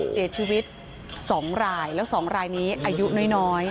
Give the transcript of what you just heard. เสียชีวิต๒รายแล้ว๒รายนี้อายุน้อย